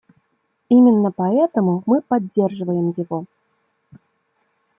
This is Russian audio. Именно поэтому мы поддерживаем его.